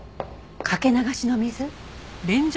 かけ流しの水？